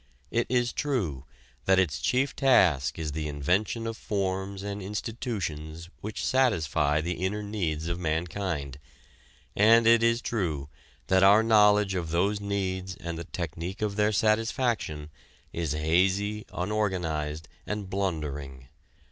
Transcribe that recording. It is true that its chief task is the invention of forms and institutions which satisfy the inner needs of mankind. And it is true that our knowledge of those needs and the technique of their satisfaction is hazy, unorganized and blundering.